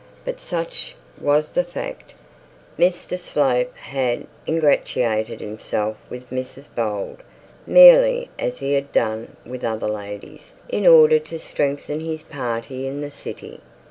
But such was the fact. Mr Slope had ingratiated himself with Mrs Bold, merely as he had done with other ladies, in order to strengthen his party in the city.